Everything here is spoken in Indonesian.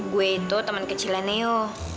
gue itu teman kecilnya neo